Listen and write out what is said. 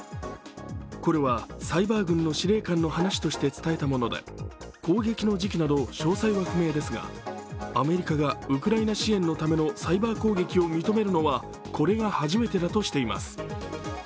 これはサイバー軍の司令官の話として伝えたもので攻撃の時期など詳細は不明ですがアメリカがウクライナ支援のためのサイバー攻撃を認めるのはこれが初めてだとしています。